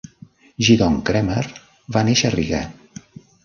Gidon Kremer va néixer a Riga.